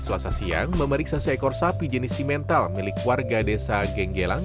selasa siang memeriksa seekor sapi jenis simental milik warga desa genggelang